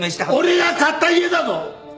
俺が買った家だぞ！